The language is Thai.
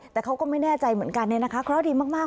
แต่เขาก็ไม่แน่ใจเหมือนกันเนี่ยนะคะเคราะห์ดีมาก